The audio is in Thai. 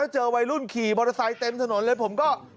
เจอวัยรุ่นขี่บอร์โทรไซต์เต็มถนนผมก็